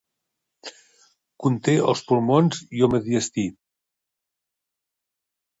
Conté als pulmons i el mediastí.